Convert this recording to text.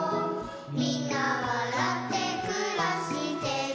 「みんなわらってくらしてる」